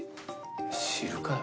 知るかよ。